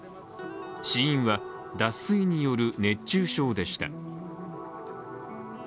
死因は脱水による熱中症でした。